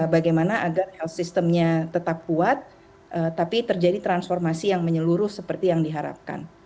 bagaimana agar health systemnya tetap kuat tapi terjadi transformasi yang menyeluruh seperti yang diharapkan